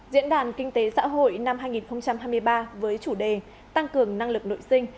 diễn đàn kinh tế xã hội năm hai nghìn hai mươi ba với chủ đề tăng cường năng lực nội sinh